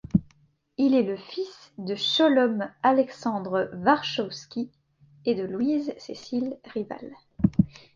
Il est le fils de Sholom Alexandre Warschawsky et de Louise Cécile Rival.